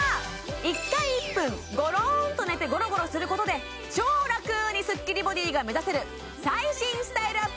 １回１分ごろんと寝てゴロゴロすることで超ラクにスッキリボディが目指せる最新スタイルアップ